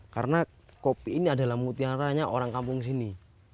karena kopi ini adalah mutiaranya orang kampung sini